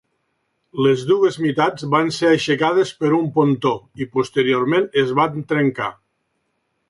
Les dues meitats van ser aixecades per un pontó i posteriorment es van trencar.